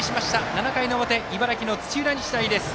７回の表、茨城の土浦日大です。